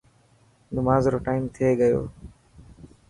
نماز رو ٽائيم ٿي گيو.